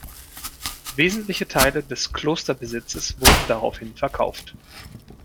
Wesentliche Teile des Klosterbesitzes wurden daraufhin verkauft.